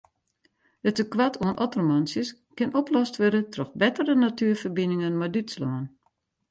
It tekoart oan ottermantsjes kin oplost wurde troch bettere natuerferbiningen mei Dútslân.